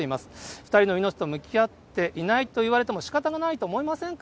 ２人の命と向き合っていないと言われてもしかたがないと思いませんか？